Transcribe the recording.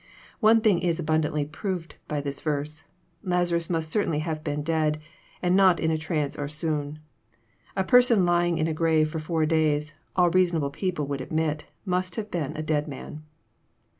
One thing is abundantly proved by this verse. Lazarus must certainly have been dead, and not in a trance or swoon. A per son lying in a grave for four days, all reasonable people would admit, must have been a dead man.